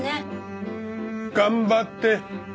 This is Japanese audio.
頑張って。